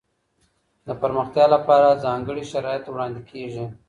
د پرمختیا لپاره ځانګړي شرایط وړاندې کیږي.